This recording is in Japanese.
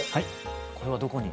これはどこに？